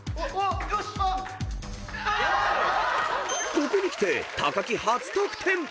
［ここにきて木初得点！］